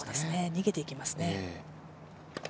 逃げていきますね。